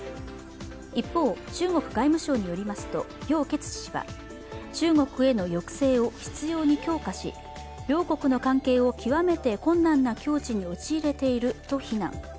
一方、中国外務省によりますと楊潔チ氏は中国への抑制を執ように強化し両国の関係を極めて困難な境地に陥れていると非難。